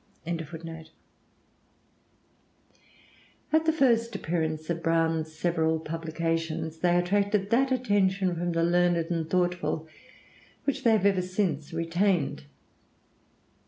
"] At the first appearance of Browne's several publications, they attracted that attention from the learned and thoughtful which they have ever since retained.